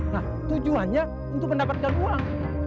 nah tujuannya untuk mendapatkan uang